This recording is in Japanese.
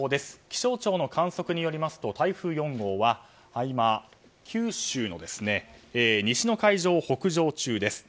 気象庁の観測によりますと台風４号は今、九州の西の海上を北上中です。